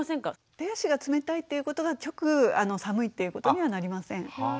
手足が冷たいっていうことが直寒いっていうことにはなりません。